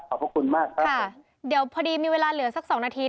ขอบคุณมากครับค่ะเดี๋ยวพอดีมีเวลาเหลือสักสองนาที